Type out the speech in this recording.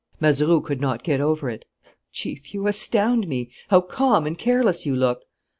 Mazeroux could not get over it. "Chief, you astound me! How calm and careless you look!"